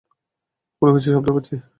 কোনো কিছুর শব্দ পাচ্ছি!